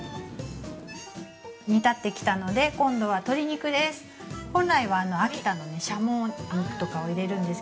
煮立ってきたので今度は鶏肉です。